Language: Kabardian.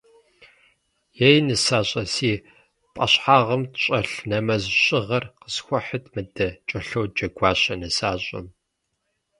Ей нысащӏэ, си пӏэщхьагъым щӏэлъ нэмэз щыгъэр къысхуэхьыт мыдэ, — кӏэлъоджэ Гуащэ нысащӏэм.